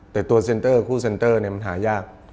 แต่ตัวเซนเตอร์คู่เสนท์มันหายาก